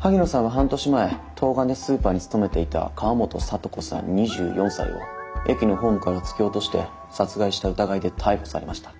萩野さんは半年前トウガネスーパーに勤めていた河本咲都子さん２４歳を駅のホームから突き落として殺害した疑いで逮捕されました。